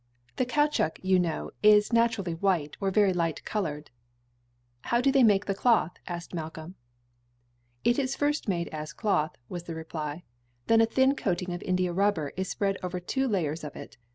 The caoutchoue, you know, is naturally white or very light colored." "How do they make the cloth?" asked Malcolm. "It is first made as cloth," was the reply; "then a thin coating of India rubber is spread over two layers of it.